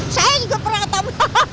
saya juga pernah atap